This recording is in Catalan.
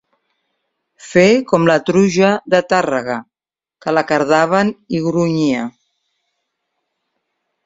Fer com la truja de Tàrrega, que la cardaven i grunyia.